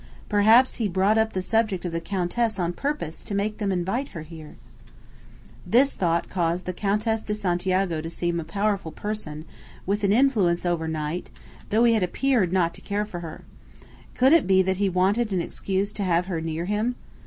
Perhaps he brought up the subject of the Countess on purpose to make them invite her here!" This thought caused the Countess de Santiago to seem a powerful person, with an influence over Knight, though he had appeared not to care for her. Could it be that he wanted an excuse to have her near him?